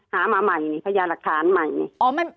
หามาใหม่มีพยานหลักฐานใหม่